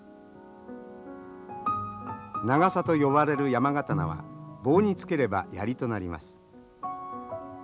ナガサと呼ばれる山刀は棒につければ槍となります。